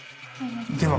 では